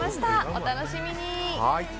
お楽しみに！